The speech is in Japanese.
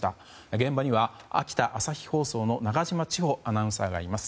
現場には、秋田朝日放送の中島千歩アナウンサーがいます。